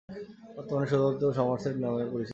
বর্তমানে এটি শুধুমাত্র "সমারসেট" নামেই পরিচিতি বহন করছে।